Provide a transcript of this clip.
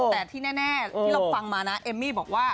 แต่ที่แน่ที่เราฟังมานะเอมมี่บอกว่า